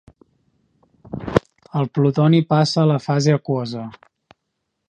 El plutoni passa a la fase aquosa.